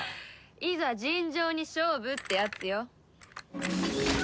いざ尋常に勝負ってやつよ。